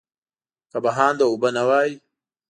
که بهانده اوبه نه وای.